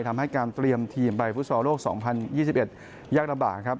ทำให้การเตรียมทีมไปฟุตซอลโลก๒๐๒๑ยากลำบากครับ